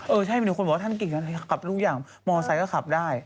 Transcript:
เออใช่มีคนบอกว่าท่านกิ๊กกลับทุกอย่างมอไซค์ก็ขับได้